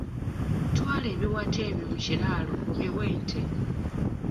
Twala ebiwata ebyo mu kiraalo obiwe ente.